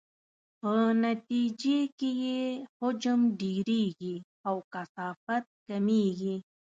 په نتیجې کې یې حجم ډیریږي او کثافت کمیږي.